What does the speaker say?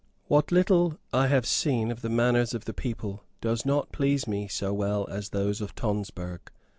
What little I have seen of the manners of the people does not please me so well as those of Tonsberg.